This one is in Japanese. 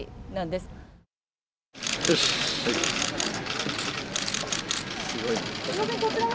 すごいな。